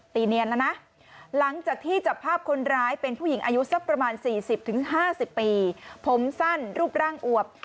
เนียนแล้วนะหลังจากที่จับภาพคนร้ายเป็นผู้หญิงอายุสักประมาณ๔๐๕๐ปีผมสั้นรูปร่างอวบ